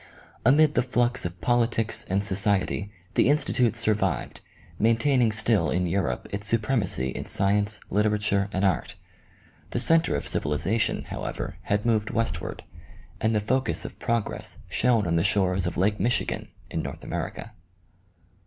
Amid the flux of politics and society the Institute survived, maintaining still in Europe its supremacy in science, literature and art. The center of civilization, however, had moved westward, and the focus of progress shone on the shores of Lake Michigan, in North America.